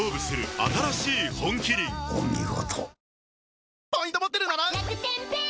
お見事。